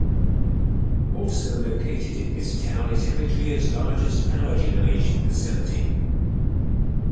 Also located in this town is Eritrea's largest power generation facility.